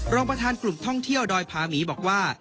รองประธานกลุ่มท่องเที่ยวดอยพาหมีบอกว่า